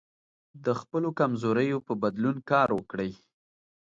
د خپلو کمزوریو په بدلون کار وکړئ.